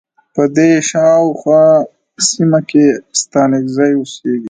په دې شا او خواه سیمه کې ستانکزی اوسیږی.